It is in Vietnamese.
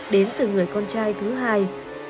đến từ người con trai thứ hai